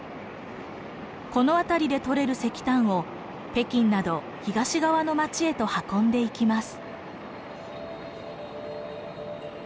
この辺りでとれる石炭を北京など東側の町へと運んでいきます。